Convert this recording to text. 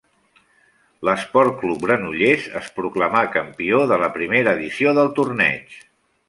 L'Esport Club Granollers es proclamà campió de la primera edició del torneig.